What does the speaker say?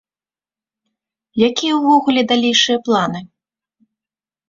Якія ўвогуле далейшыя планы?